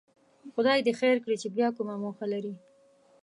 خدای دې خیر کړي چې بیا کومه موخه لري.